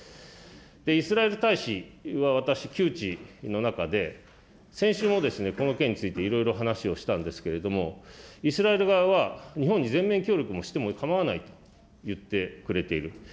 イスラエル大使は私、旧知の中で、先週もこの件についていろいろ話をしたんですけれども、イスラエル側は、日本に全面協力をしても構わないと言ってくれている。